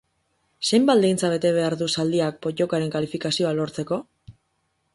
Zein baldintza bete behar du zaldiak pottokaren kalifikazioa lortzeko?